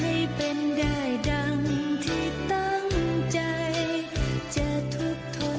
ได้ดังที่ตั้งใจจะทุกคนละครบ